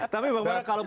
tapi bang mora kalau